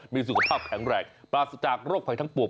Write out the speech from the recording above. มีสุขภาพแข็งแรงปราศจากโรคภัยทั้งปวบ